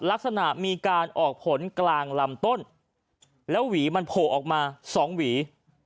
ลักษณะมีการออกผลกลางลำต้นแล้วหวีมันโผล่ออกมาสองหวี